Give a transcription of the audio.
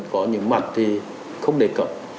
có những mặt thì không đề cập